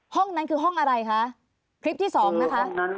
ห้องนั้นคือห้องอะไรคะคลิปที่สองนะคะ